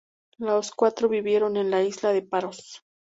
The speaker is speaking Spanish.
Los cuatro vivieron en la isla de Paros.